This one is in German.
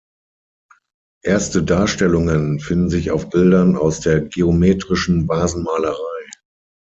Erste Darstellungen finden sich auf Bildern aus der geometrischen Vasenmalerei.